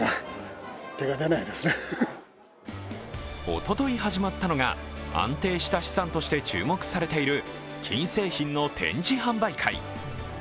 おととい始まったのが安定した資産として注目されている金製品の展示販売会。